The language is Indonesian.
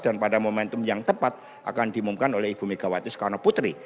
dan pada momentum yang tepat akan diumumkan oleh ibu mega watius kaunoputri